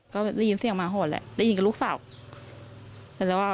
ก็ได้ยินเสียงหมาหอนแหละได้ยินกับลูกสาว